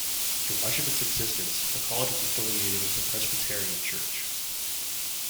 For much of its existence, the college was affiliated with the Presbyterian Church.